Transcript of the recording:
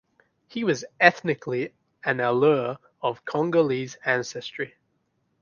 He was ethnically an Alur of Congolese ancestry.